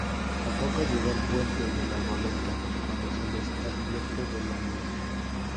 Tampoco llegó al puente de la goleta cuando se les advierte de la niebla.